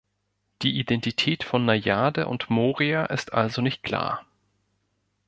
Die Identität von Najade und Moria ist also nicht klar.